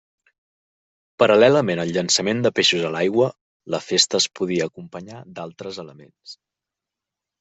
Paral·lelament al llançament de peixos a l'aigua, la festa es podia acompanyar d'altres elements.